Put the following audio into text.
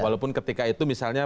walaupun ketika itu misalnya